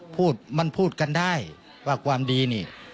พูดมันพูดกันได้ว่าความดีนี่